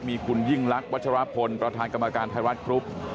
มีคุณยิ่งลักษณวัชรพลประธานกรรมการไทยรัฐกรุ๊ป